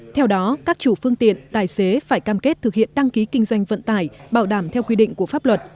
theo đó các chủ phương tiện tài xế phải cam kết thực hiện đăng ký kinh doanh vận tải bảo đảm theo quy định của pháp luật